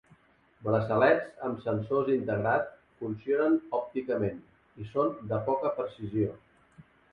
Braçalets amb sensors integrat funcionen òpticament, i són de poca precisió.